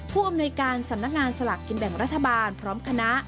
ผู้อำนวยการสำนักงานสลากกินแบ่งรัฐบาลพร้อมคณะ